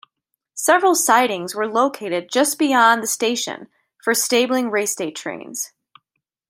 Several sidings were located just beyond the station for stabling raceday trains.